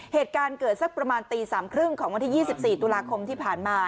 เหตุการณ์เกิดสักประมาณตี๓๓๐ของวันที่๒๔ตุลาคมที่ผ่านมา